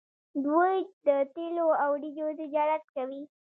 دوی د تیلو او وریجو تجارت کوي.